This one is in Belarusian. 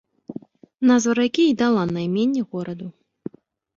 Назва ракі і дала найменне гораду.